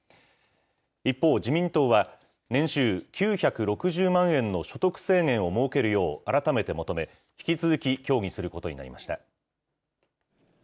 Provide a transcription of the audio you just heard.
一方、自民党は、年収９６０万円の所得制限を設けるよう改めて求め、引き続き、協議することになりました。